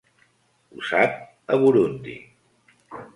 Usat a Burundi.